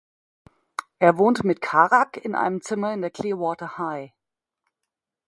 Er wohnt mit Carag in einem Zimmer in der Clearwater High.